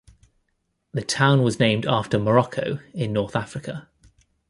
The town was named after Morocco, in North Africa.